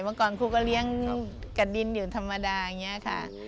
เมื่อก่อนครูก็เลี้ยงกระดินอยู่ธรรมดาอย่างนี้ค่ะ